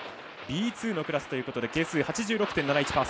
Ｂ２のクラスということで係数８６．７１％。